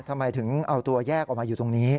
ทำไมถึงเอาตัวแยกออกมาอยู่ตรงนี้